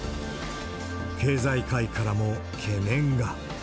経済界からも懸念が。